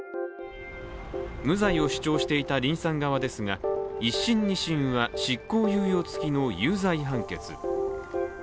無罪を主張していたリンさん側ですが１審２審は執行猶予つきの有罪判決。